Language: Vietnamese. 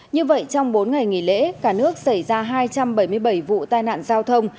như vậy trong bốn ngày nghỉ lễ cả nước xảy ra hai trăm bảy mươi bảy vụ tai nạn giao thông